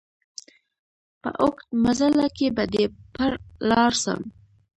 په اوږد مزله کي به دي پر لار سم